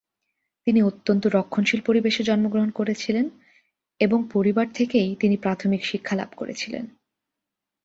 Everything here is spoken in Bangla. তিনি অত্যন্ত রক্ষণশীল পরিবেশে জন্মগ্রহণ করেছিলেন এবং পরিবার থেকেই তিনি প্রাথমিক শিক্ষা লাভ করেছিলেন।